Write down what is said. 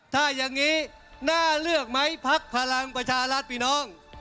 ถ้าอย่างนี้น่าเลือกไหมพักพลังประชารัฐพี่น้อง